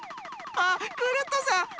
あっクルットさん。